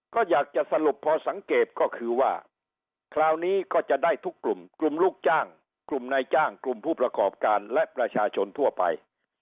ก็อยากจะสรุปพอสังเกตก็คือว่าคราวนี้ก็จะได้ทุกกลุ่มกลุ่มลูกจ้างกลุ่มนายจ้างกลุ่มผู้ประกอบการและประชาชนทั่วไป